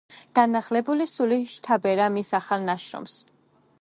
განახლებული სული შთაბერა მის ახალ ნაშრომს.